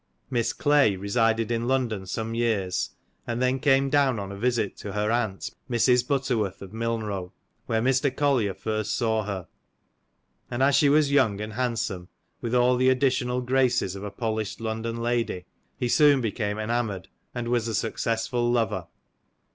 Miss Clay resided in London some years, and then came down on a visit to her aunt, Mrs. Butterworth, of Milnrow, where Mr. Collier first saw her, and as she was young and handsome, with all the additional graces of a polished London lady, he soon became enamoured, and was a successful lover.